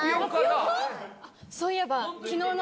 そういえば。